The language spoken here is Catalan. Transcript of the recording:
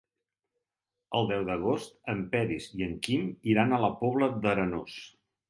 El deu d'agost en Peris i en Quim iran a la Pobla d'Arenós.